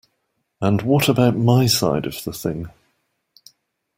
And what about my side of the thing?